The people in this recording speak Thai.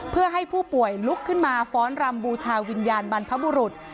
เพื่อให้ผู้ป่วยลุกขึ้นมาฟ้อนรำบูชาวิญญาณบรรพบุรุษ